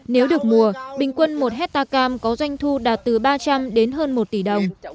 nếu được mùa bình quân một hectare cam có doanh thu đạt từ ba trăm linh đến hơn một tỷ đồng